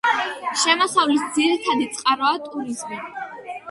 შემოსავლის ძირითადი წყაროა ტურიზმი.